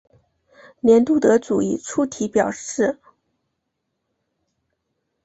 年度得主以粗体标示。